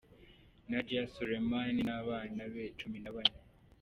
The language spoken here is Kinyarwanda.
Nadya Suleman n’ abana be cumi na bane.